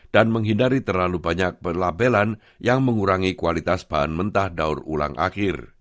dan menghindari terlalu banyak labelan yang mengurangi kualitas bahan mentah daur ulang akhir